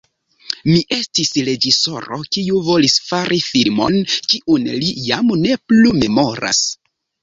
Mi estis reĝisoro kiu volis fari filmon kiun li jam ne plu memoras.